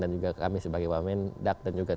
dan juga kami sebagai pak menteri dan juga